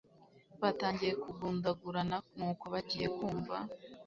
batangira kugundagurana nuko bagiye kumva